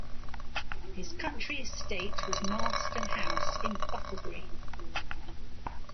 His country estate was Marlston House in Bucklebury.